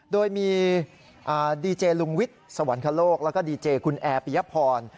โดยมีดีเจลุงวิทย์สวรรคโลกแล้วก็ดีเจคุณแอร์ปิยพร